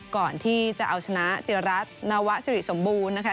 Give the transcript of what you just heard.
ก่อนที่จะเอาชนะเจรัตนวะสิริสมบูรณ์นะคะ